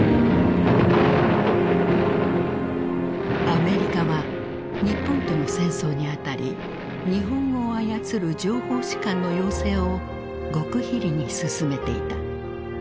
アメリカは日本との戦争にあたり日本語を操る情報士官の養成を極秘裏に進めていた。